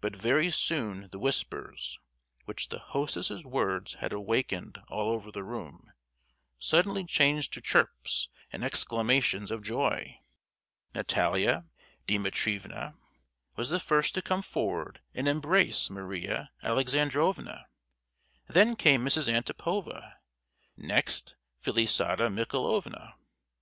But very soon the whispers which the hostess's words had awakened all over the room, suddenly changed to chirps and exclamations of joy. Natalia Dimitrievna was the first to come forward and embrace Maria Alexandrovna; then came Mrs. Antipova; next Felisata Michaelovna.